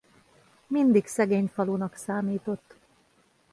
Mindig szegény falunak számított.